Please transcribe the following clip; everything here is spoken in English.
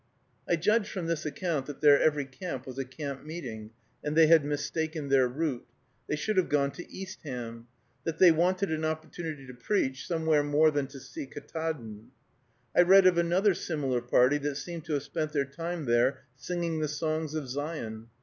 I judged from this account that their every camp was a camp meeting, and they had mistaken their route, they should have gone to Eastham; that they wanted an opportunity to preach somewhere more than to see Ktaadn. I read of another similar party that seem to have spent their time there singing the songs of Zion.